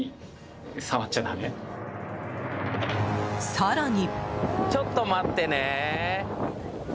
更に。